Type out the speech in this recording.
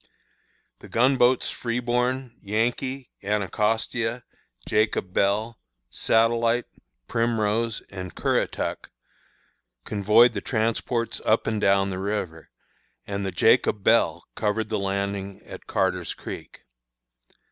"The gun boats Freeborn, Yankee, Anacostia, Jacob Bell, Satellite, Primrose, and Currituck, convoyed the transports up and down the river, and the Jacob Bell covered the landing at Carter's Creek.